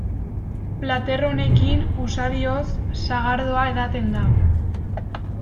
Plater honekin usadioz sagardoa edaten da.